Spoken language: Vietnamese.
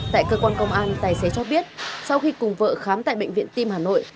tại cơ quan công an tài xế cho biết sau khi cùng vợ khám tại bệnh viện tim hà nội